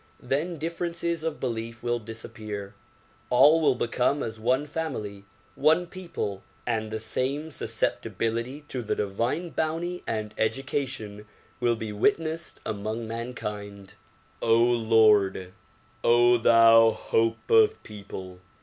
Then differences of belief will dis appear. All will become as one family, one people, and the same susceptibility to the divine bounty and education will be witnessed among mankind. Lord! thou hope of people!